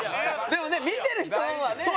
でもね見てる人はね。